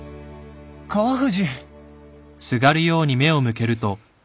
川藤！